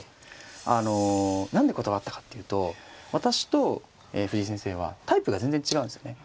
あの何で断ったかっていうと私と藤井先生はタイプが全然違うんですよね。